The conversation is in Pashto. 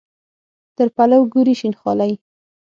تر پلو ګوري شین خالۍ.